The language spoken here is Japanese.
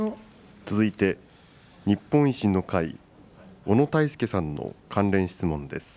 続いて、日本維新の会、小野泰輔さんの関連質問です。